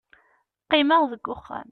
qqimeɣ deg uxxam